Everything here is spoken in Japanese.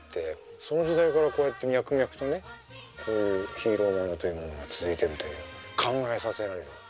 その時代からこうやって脈々とねこういうヒーローものというものが続いてるという考えさせられる。